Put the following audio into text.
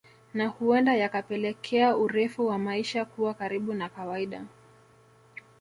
Na huenda yakapelekea urefu wa maisha kuwa karibu na kawaida